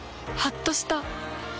はっとした。